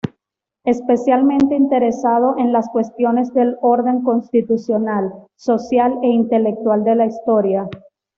Especialmente interesado en las cuestiones del orden constitucional, social e intelectual de la historia.